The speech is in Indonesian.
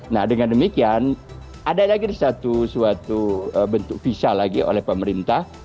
nah dengan demikian ada lagi suatu bentuk visa lagi oleh pemerintah